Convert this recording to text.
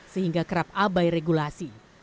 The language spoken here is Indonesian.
sehingga kerap abai regulasi